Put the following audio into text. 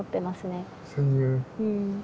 うん。